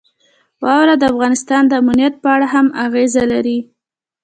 واوره د افغانستان د امنیت په اړه هم اغېز لري.